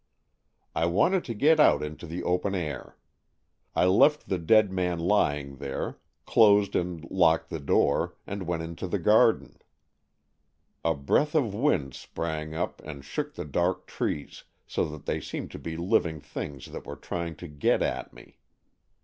" I wanted to get out into the open air. I left the dead man lying there, closed and locked the door, and went into the garden. A breath of wind sprang up and shook the dark trees, so that they seemed to be living things that were trying to get at me.